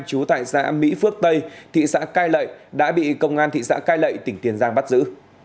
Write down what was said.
chú tại xã mỹ phước tây thị xã cai lệ đã bị công an thị xã cai lậy tỉnh tiền giang bắt giữ